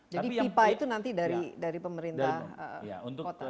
pipa itu nanti dari pemerintah kota